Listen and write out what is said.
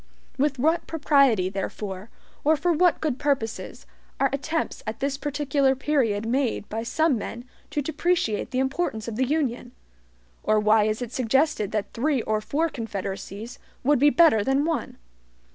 With what propriety, therefore, or for what good purposes, are attempts at this particular period made by some men to depreciate the importance of the Union? Or why is it suggested that three or four confederacies would be better than one?